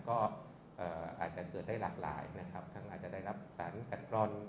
ก็อาจจะเกิดได้หลากหลายนะครับทั้งอาจจะได้รับสารกัดกรอน